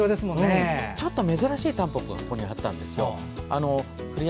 ちょっと珍しいたんぽぽがあったんですよ。